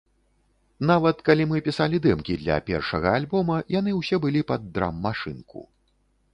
Нават, калі мы пісалі дэмкі для першага альбома, яны ўсе былі пад драм-машынку.